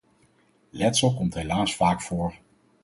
Letsel komt helaas vaak voor.